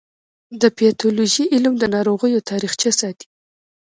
د پیتالوژي علم د ناروغیو تاریخچه ساتي.